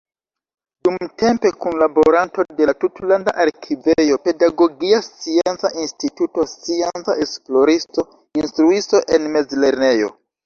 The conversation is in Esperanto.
Dumtempe kunlaboranto de la Tutlanda Arkivejo, Pedagogia Scienca Instituto, scienca esploristo, instruisto en mezlernejo.